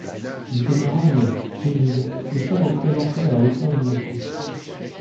Il demeura muet, rigide, le sabre présenté à la hauteur du menton.